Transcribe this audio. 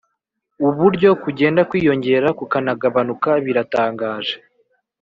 uburyo kugenda kwiyongera kunagabanuka biratangaje;